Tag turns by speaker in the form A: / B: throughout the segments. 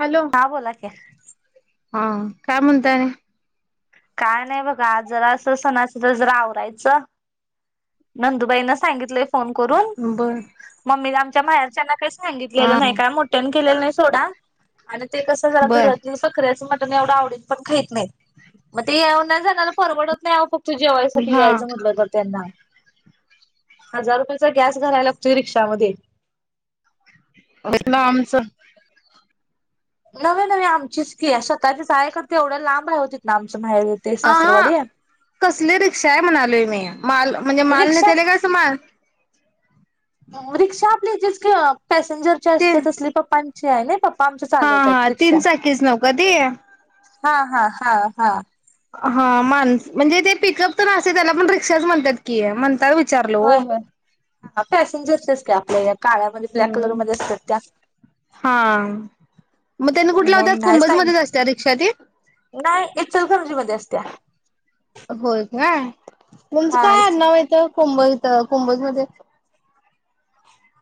A: Hello
B: हां बोला की
A: हा काय म्हणताय आणि
B: काय नाही बघा आज जरास असं सणाच तर जरा आवरायचं नंदुबाईना सांगितलंय फोन करून
A: बर
B: मम्मी आमच्या माहेरच्याना काही सांगितलेलं
A: हा
B: नाही काय मोठ्याने केलेलं नाही सोडा आणि ते कसं झाला
A: बर
B: घरातल [inaudible] आनून पण ख नाही मग तेला परवडत नाही तु जेवायसाठी
A: हा
B: यायचं म्हटलं तर त्यांना हजार रुपयाचा गॅस घालाय लागतोय रिक्षामध्ये
A: ना आमचं
B: नवे नवे आमचीच की स्वतःचे हाय करते एवढ्या लांब ना आमच्या ते
A: ह हा
B: सासरवाडी
A: कसली रिक्षा आहे म्हणालोय मी माल म्हणजे माल
B: रिक्षा
A: नेतले काय स माल
B: रिक्षा आपली जस्ट पॅसेंजरची
A: ते
B: असते तसली पप्पांची आहे नि पप्पा आमची
A: हा
B: चालवत्या
A: हा
B: रिक्षा
A: तीन चाकीच नव का ते
B: हा हा हा हा
A: हा मानस म्हणजे ते पिकअप तर न त्याला पण रिक्षाच म्हणतात की म्हणतात
B: होय होय पॅसेंजर्सच ची असत्य आपल्या यात काळ्यामध्ये ब्लॅक
A: हम्म
B: कलरमध्ये असतात त्या
A: हा मग त्यांनी कुठे लावतात
B: मन
A: कुंभज
B: नाहीयच
A: मध्येच असत्या रिक्षा ती
B: नाही इचलकरंजी मध्ये असत्या
A: होय काय तुमचं
B: हा
A: काय आडनाव आहे
B: इचलकरंजी
A: इथं कुंबोज मध्येच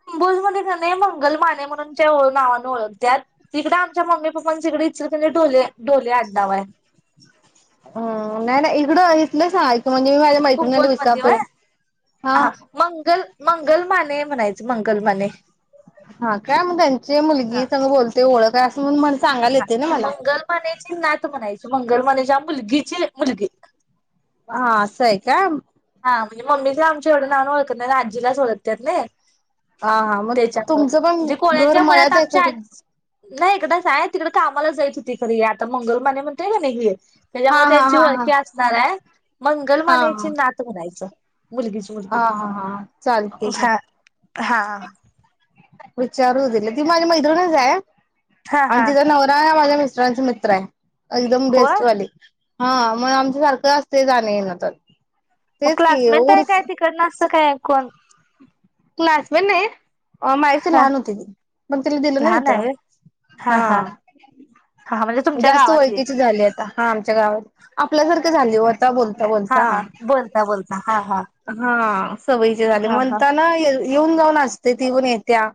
B: कंबोज मद्ये कने मंगल माने म्हणूनच्या नावाने ओळखतात तिकडे आमच्या मम्मी पप्पां तिकडे थ इचलकरंजी डोले डोले अडणाव हाय
A: हम्म नाही नाही इकड इथल्या सांगलतो म्हणजे मी मैत्रिणीला
B: कुंभोज मध्ये
A: विचारतो
B: होय
A: हा
B: मंगलमाने म्हणायच मंगलमाने
A: हा काय मग त्यांची
B: हा
A: मुलगी संग बोलते ओळख आहे
B: हा
A: असं म्हणून मला सांगायला
B: हा
A: येते ना मला
B: मंगल म्हणायचे नात म्हणायच म गल माने च्या मुलगीची मुलगी
A: हा असं आहे का
B: हा म्हणजे मम्मी ची आमच्या नावाने एवढं ओळखत नाहीत ना आजीला च ओळखत्यात नाय
A: हा हा मग
B: त्याच्यामुळे
A: तुमचं पण
B: म्हणजे
A: घर
B: कोळ्यांच्या मुळात
A: मळ्यात आहे का
B: आमच्या आ
A: कुठ
B: नाही हिकडच हाय सा तिकडे कामाला जायत होती खरी आता मंगल माने म्हणतोय कनी ती
A: हा
B: त्याच्यामुळे
A: हा
B: त्याची
A: हा हा
B: वळखी
A: हा
B: असणार हाय
A: हा
B: मंगलमानेची नात म्हणायचं मुलगीची मुलगी
A: हा हा हा चालते घ्या
B: हा हा
A: विचारून घे म्हणजे ती माझी मैत्रिणच आहे
B: हा
A: आणि
B: हा
A: तिचा नवरा माझ्या म वळचा मित्र आहे एकदम
B: होय
A: बेस्ट वाले हा मग आमच्या सारखं असत जाण येत तर तेच की असणार
B: है कोण
A: क्लासमेट नाही हा माझ्या पेक्षा लहान होती ती पण तिला दिलं ना
B: लहान आहे
A: तिथं
B: व्हय हा हा हा म्हणजे तुमच्या
A: जास्त
B: गावातली.
A: ओळखीची झाली आता हा आमच्या गावात आपल्यासारख झाली व त बोलता
B: हा
A: बोलता
B: हा बोलता बोलता हा हा
A: हा सवय ची झाले
B: हा हा
A: म्हणताना येऊन जाऊन असतय ती हुन येत्या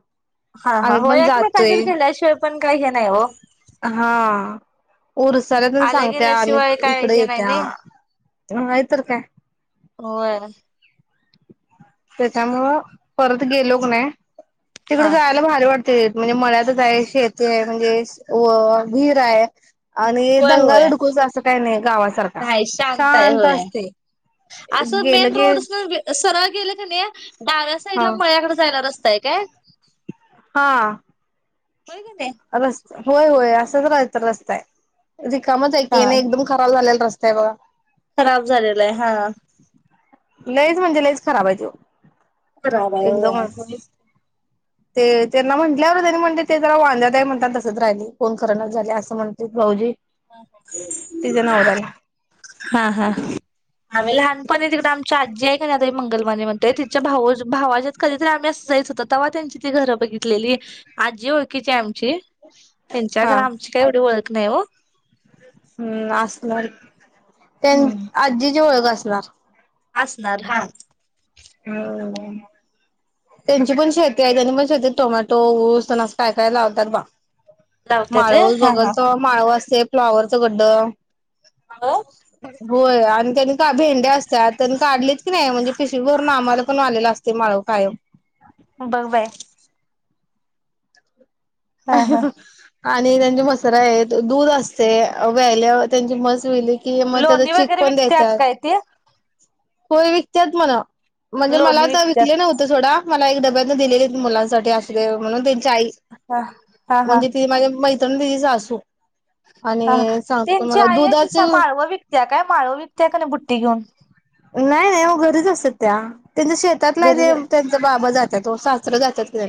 B: हा हा
A: आम्ही
B: हो
A: पण
B: एकमेकांच्यात
A: जातोय
B: गेल्याशिवाय पण काही हे नाही हो
A: हा उरसाला तेण
B: आल्या
A: सांगत्या आनी
B: गेल्याशिवाय काय
A: इकडे
B: हे नाही
A: येत्या
B: नाही
A: नाहीतर काय
B: होय
A: त्याच्यामुळं परत गेलो कने तिकड
B: हा
A: जायला भारी वाटत ते म्हणजे मळ्यातच आहे शेती आहे म्हणजे वो विहीर आहे आणि
B: होय
A: दंगा
B: होय
A: धुडकुस असं काही नाही गावासारखा
B: नाही शांत आहे होय असं
A: गेलं
B: मेन
A: की
B: रोडस्न अस सरळ गेले कने डाव्या
A: हा
B: साईडला मळ्याकडे जायला रस्ताय काय
A: हा
B: होय की नाही
A: रस्त होय होय असंच काय तर रस्ता आहे रिकामच आहे की
B: हा
A: ये एकदम खराब झालेला रस्ता आहे बघा
B: खराब झालेला आहे हा
A: लईच म्हणजे लईच खराब आहे तो
B: खराब आहे
A: एकदमच
B: होय
A: ते त्यांना म्हटल्यावर त्यांनी म्हणल्यवर ते जरा वांद्यात हाय म्हणताना तसच राहिलय कोण करन झालय असं म्हणत्यात भाऊजी तिच्या नवऱ्याला
B: हा हा आम्ही लहानपणी तिकड आमच्या आजी आहे नाई मंगलमाने म्हणतय तिच्या भा भावाच्यात कधीतरी आम् अस जायच होतो तेव्हा त्यांची ती घरं बघितलेली आहे आजी ओळखीची आमची त्यांच्या
A: हा
B: खर आमची काय एवढी ओळख नाही हो
A: हम्म असणार त्यां आजीची ओळख असणार
B: असणार हा
A: हम त्यांची पण शेती आहेत त्यांनी पण शेतीत टोमॅटो ऊसं अस तेन काय काय लावतात बा
B: लावत्यात व्हय
A: माळव
B: हा हा.
A: बघलच माळव असते फ्लावरचं गड्डं
B: हो
A: होय आणि त्यानी का भेंडे्या असत्याात त्यां काढलेत की नाही म्हणजे पिशवी भरून आम्हाला पण आलेला असते माळव कायम.
B: बघ बया. हा
A: [unintelligible] आणि त्यांचे मसर आहेत दूध असते व्यायल्यावर त्यांची मस वली कि मग त्याचा
B: लोणी
A: चीक
B: वगैरे
A: पण
B: विकत्यात
A: देत्यात
B: काय ते?
A: होय विकतत मला म्हणजे मला
B: लोणी
A: तर
B: विकत्यात
A: विकले नव्हते थोडा मला एक डब्याने दिलेली मुलांसाठी अस म्हणून त्यांची आई
B: हा हा हा
A: म्हणजे ती माझी मै दि सासु.
B: [unintelligible] हा त्यांची आई अशी
A: दुधाचे
B: माळव विकत्या काय माळव विकत्या का नाही बुट्टी घेऊन
A: नाही नाही म घरीच असत त्या त्यांच्या शेतात नाही
B: घरी
A: ते त्यांचा बाबा जात तो सासर जातात ते.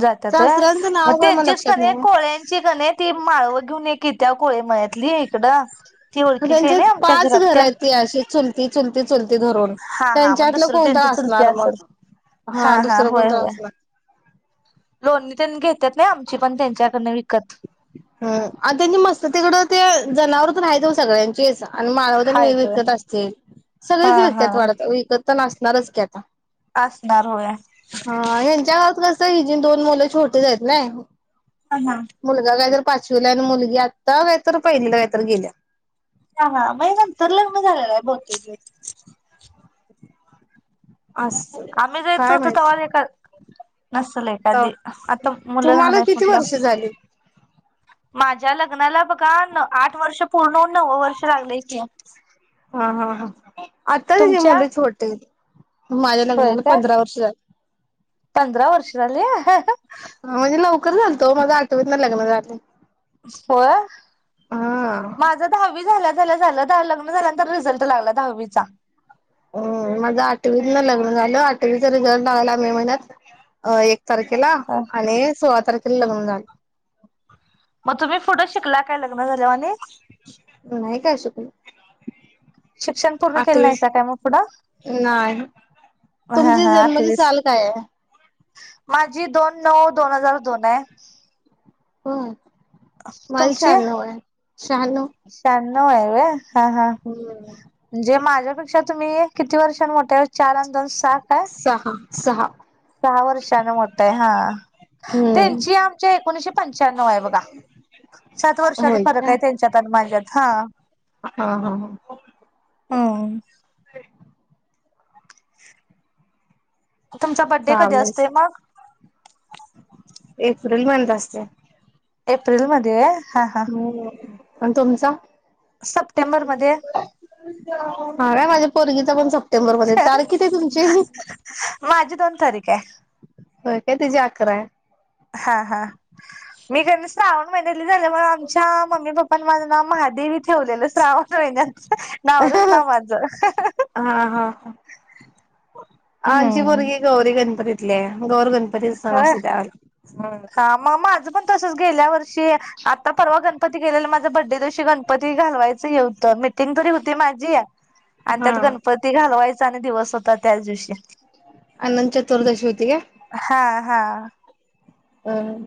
B: जातात व्हय त्यांचीच
A: लक्षात
B: कणी
A: नाही
B: कोळ्यांची कणी ती माळव घेऊन एक की त्या कोळे मयातली इकडं ती ओळखीची आहे
A: त्यांचे
B: ना आमच्या
A: पाच
B: घरात
A: घर
B: त्यां
A: आहेत ती अशी चुलती चुलती चुलती धरून
B: हा हा मग
A: त्यांच्यातलं
B: दुसर
A: कोणत
B: त्यांच्या चुलते
A: असणार
B: असेल.
A: मग
B: हा हा
A: दुसरं
B: होय
A: कोणत
B: होय
A: असणार
B: लोननी त्यांनी घेत
A: हा त्यां मस्त तिकड ते जनावर तर राहतेऊ सगळ्यांची सा आणि मानवदन
B: हायत होय.
A: विकत असतील
B: हा
A: सगळेच
B: हा
A: व्यिकतत वाढत विकत तर नसणारच की आता
B: असणार होय हा
A: हा हच्या गावात कस दोन मु छोट आहेत नाही
B: हा
A: मुलगा काय तर पाचवीला आणि मुलगी आता काय तर पहिलेल्यात काय तर गेल्या
B: हा हा मग नंतर लग्न झालेलं दोन तीन [unintelligible]
A: असं
B: आम्ही ज येतो
A: काय
B: होतो
A: माहित
B: तवा [unintelligible] असल
A: तवा
B: एखादी आता मुलं
A: तुम्हाला
B: राहणार
A: किती
B: म्हटलं.
A: वर्ष झाली
B: माझ्या लग्नाला बघा आठ वर्ष पूर्ण नऊव वर्ष लागलय की
A: हा हा हा आता ते
B: तुमच्या
A: मुले छोटे माझ्या
B: होय
A: लग्नाला
B: काय
A: पंधरा वर्ष झाले
B: पंधरा वर्ष झाले.
A: हा म्हणजे लवकर झालतो माझ आठवीतन लग्न झालं.
B: हो
A: हा
B: माझा दहावी झाला लग्न झालं लग्न झाल्यानंतर रिझल्ट लागला दहावीचा.
A: माझं आठवीत लग्न झालं आठवीचा रिझल्ट आला मे महिन्यात एक तारखेला आणि सोळा तारखेला लग्न झाल.
B: मग तुम्ही पुढं शिकला काय लग्न झाल ओ आणि
A: त
B: शिक्षण पूर्ण केलं
A: आठवीस
B: नाहीसा काय मग पुढं
A: नाय.
B: हा
A: तुमची
B: हा
A: जन्माची
B: अठवीस
A: साल काय आहे
B: माझी दोन नऊ दोन हजार दोन ये
A: व्हय मल
B: तुमची
A: शंहांनऊ आहे शंहांनऊ
B: नऊ हे व्हय जे माझ्या पेक्षा तुम्ही किती वर्षां मोठे चार आणि दोस.
A: सहा सहा.
B: सहा वर्षाने मोठे आहे हा
A: हम्म
B: त्यांची आमच्या एकोणीशे पंच्याण्णव आहे बघा सात वर्षाचा
A: होय
B: फरक
A: का?
B: आहे त्यांच्यात आणि माझ्यात हा.
A: हा हा हा.
B: हो. तुमचा बड्डे कधी
A: चालेच
B: असतोय मग
A: एप्रिल मंध असते.
B: एप्रिलमध्ये
A: हो आणि तुमचा?
B: सप्टेंबर मध्ये
A: म माझ्या पोरगीचा पण सप, स्टेंबर मध्ये तारखिथे तुमची
B: माझी दोन तारीख आहे
A: हो काय तुझी अकरा आहे.
B: हा हा, मी कर श्रावण महिन्याली झालं मग आमच्या मम्मी पप्पनी माझं नाव महादेवी ठेवलेलं श्रावण महिन्याच नावरच ना माझं,
A: हा हा हा. आमची
B: हम्म
A: पोरगी गौरी गणपतीतली आहे. गौर गणपती सण
B: होय
A: असू त्यावर ह,
B: हा मग माझं पण तसच गेल्या वर्षी आता परवा गणपती गेलेला माझा बर्थडे दिवशी गणपती घालवायचं होतं मी मीटिंग तरी होती माझी आणि
A: हा
B: त्यात गणपती घालवायचा आणि दिवस होता त्याच दिवशी,
A: अनंत चतुर्दशी होती का,
B: हा हा
A: हम्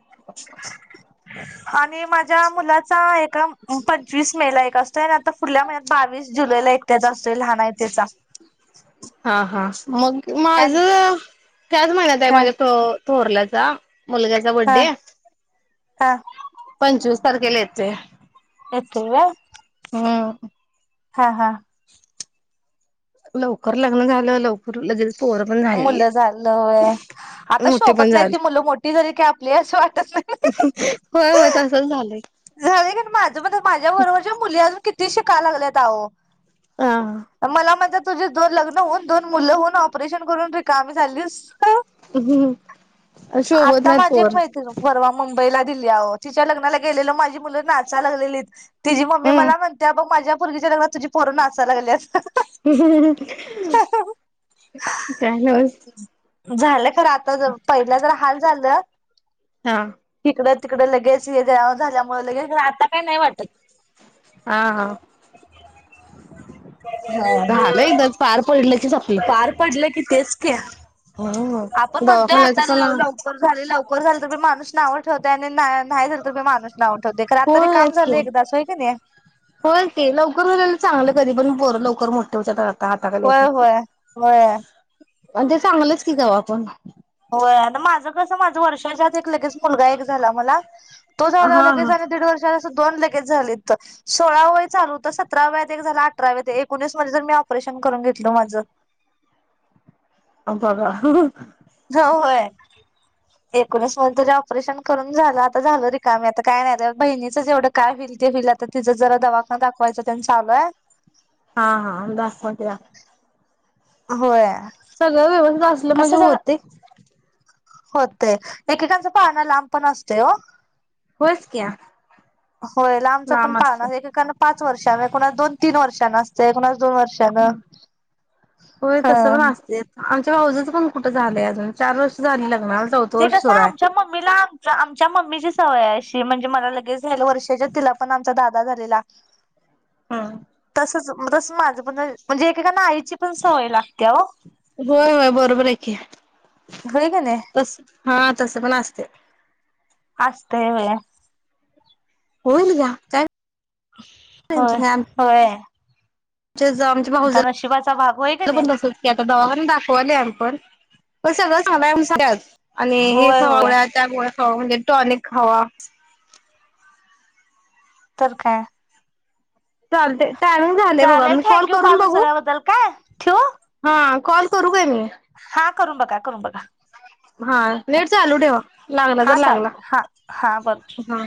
B: हा आणि माझ्या मुलाचा एका पंचवीस मे ला एक असतो आणि आता पुुल्या महिन्यात बावीस जुलैला त्याचा असतोय लहान आहे त्याचा
A: हा हा मग माझ त्याच महिन्यात आहे माझ्या त थोरल्याचा मुलग्याचा ब्डे
B: हा
A: पंचवीस तारखेला येते.
B: येतो होय,
A: हम
B: हा हा
A: लवकर लग्न झालं लवकर ले
B: मुलं झालं आता
A: मोठे पण
B: शोभत नाही ती
A: झाले
B: मुलं मोठी जरी का आपली असं वाटत नाही
A: होय होय तसच झालं
B: झालं माझं मण माझ्या बरोबरच्या मुली अजून किती किती शिकल्यात अहो मला म्हणता, तुझे दोन लग्न होऊन दोन मु होऊन ऑपरेशन करून रिकामी झाली,
A: हम्
B: आता माझी एक माैत्री परवा मम्मी बला दिली तिच्या लग्नाला गेलेल माझी मुलं नाचा लागलेलीत तिी मम्मी मला
A: हम्म
B: म्हणते्या बघ माझ्या मुलगीच्या लग्ना तुझी पोरो नाचायला लागली अस.
A: [unintelligible]
B: झालं खरं आता ज पहिला तर हाल झालं
A: हा
B: तिकड, तिकडे लगेच हे झाल्यामुळे लगेच आता काही नाही वाटत
A: हा हा झालं एक पार पडलं की संपलं.
B: पार पडलं की तेच क
A: हो
B: आपण म्हणतोय
A: दवाखान्याच पण
B: आताला लवकर झाले लवकर झालं तरण माणस नाव ठवतय. नाही नाही झालं तर मी माणूस नाऊठवते रातरी काम
A: होयच
B: झालं
A: की
B: एकदाास होय का नाही,
A: होय ते लवकर झाला चांगलं कधी पण पोर लवकर मोठे होच्यात,
B: होय होय होय
A: आणि ते चांगलंच की का आपण
B: माझं कसं माझं वर्षच्यातलं क मुलगा एक झाला मला तो
A: हा
B: जाऊे
A: हा
B: दीड वर्षा दोन लगेच झाली सोळावं वय चालू होत सतरावा वयात झालं अठरावा ते एकोणीस मध्ये तर मी ऑपरेशन, करून घेतल माझ,
A: अ बाबा
B: हो होय, एकोणीस मध्ये तुझे ऑपरेशन करून झालं, आता झाल रिकामी आता काय नाही, बहिणीचं जेवढं काय होईल तर तिच जरा दवाखाना दाखवायच त्यांनी चालूय
A: हा हातरा [unintelligible]
B: होय.
A: सगळं व्यवस्थित असलं म्हणजे होतय.
B: होते एककेकण स्प अ ना ला [unintelligible] असतोय हो,
A: होयच क्या
B: होय लांबचा पण
A: लांब असते
B: पाळणा एकेकांना पाच वर्षां एकणाच दोन तीन वर्षांना असते एकण [unintelligible]
A: होय
B: हा
A: तस ना असतय आम ऊ पण कुठं झालंय अजून चार वर्ष झाली लग्ना
B: ते कस आमच्या मम्मीला आम-आमच्या मम्मीची सवया अशी म्हणजे मला लगेच- झाल, वर्षाच्या तिला पण आमचा दादा झालेला-
A: हम्म.
B: तस तस माझं पण म्हणजे एक एकानं आई
A: होय होय बरोबर हाय की.
B: होय कणी
A: तस हा तसं पण असते.
B: असतय होय.
A: होईल घ्या काय.
B: होय, होय.
A: आ आमच्या
B: आता
A: भाऊजय
B: नशिबाचा भाग होय का
A: ला
B: नाही.
A: पण तसास की आता दवाखान्यात दाखवालोय आम्ही पण पण सगळं चांगलंय म्हणून सांगतात आणि हे
B: होय होय
A: गोळ्या त्या गोळ्या हवा म्हनंजे टॉनिक हवा-
B: तर काय-
A: चालते टाईमिंग झाले बघा
B: चालेल
A: मी कॉल
B: थँक्यू
A: करून बघू?
B: उचलल्याबद्दल काय ठेवू
A: हा कॉल करू काय मी?
B: करुन बघा. करुन बघा.
A: हा नेट चालू ठेवा, लागला
B: हा
A: तर
B: चालेल
A: लागला.
B: हा हा बरोबर
A: हा.